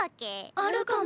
あるかも。